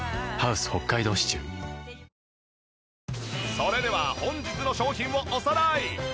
それでは本日の商品をおさらい。